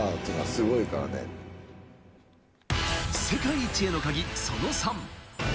世界一へのカギ、その３。